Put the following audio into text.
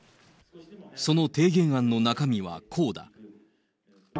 その提言案の中身はこうだ。